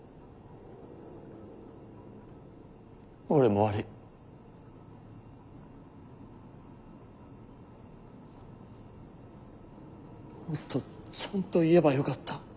もっとちゃんと言えばよかった。